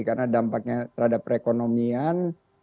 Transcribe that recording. karena dampaknya terhadap perekonomian